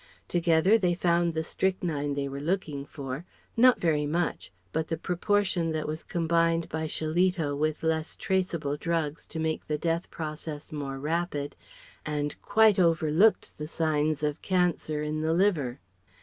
Together they found the strychnine they were looking for not very much, but the proportion that was combined by Shillito with less traceable drugs to make the death process more rapid and quite overlooked the signs of cancer in the liver.